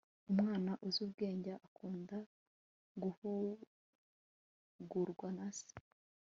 umwana uzi ubwenge akunda guhugurwa na se